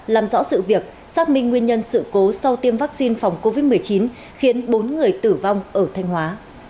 làm rõ sự việc xác minh nguyên nhân sự cố sau tiêm vaccine phòng covid một mươi chín khiến bốn người tử vong ở thanh hóa